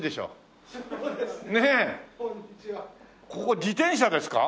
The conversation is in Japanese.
ここ自転車ですか？